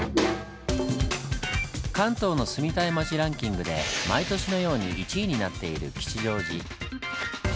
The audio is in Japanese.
関東の住みたい街ランキングで毎年のように１位になっている吉祥寺。